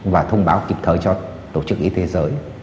và thông báo kịp thời cho tổ chức y tế giới